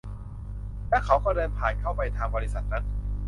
แล้วเขาก็เดินผ่านเข้าไปทางบริษัทนั้น